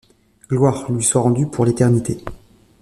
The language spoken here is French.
Gloire lui soit rendue pour l’éternité.